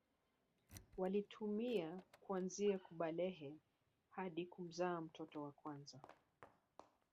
Walitumia kuanzia kubalehe hadi kumzaa mtoto wa kwanza